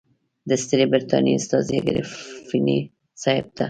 د ستري برټانیې استازي ګریفین صاحب ته.